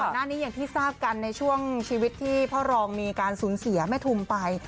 หน้านี้อย่างที่ทราบกันในช่วงชีวิตที่พ่อรองมีการสูญเสียแม่ทุมไป